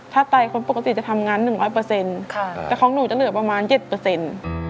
ถ้าใต้คนปกติจะทำงาน๑๐๐แต่ของหนูจะเหลือประมาณ๗